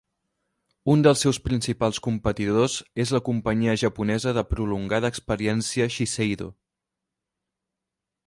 Un dels seus principals competidors és la companyia japonesa de prolongada experiència Shiseido.